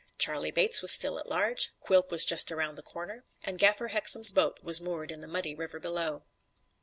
Charley Bates was still at large, Quilp was just around the corner, and Gaffer Hexam's boat was moored in the muddy river below.